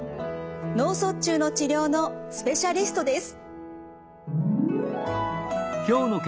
脳卒中の治療のスペシャリストです。